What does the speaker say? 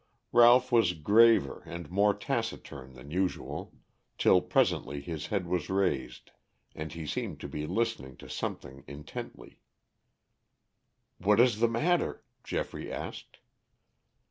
Ralph was graver and more taciturn than usual, till presently his head was raised and he seemed to be listening to something intently. "What is the matter?" Geoffrey asked.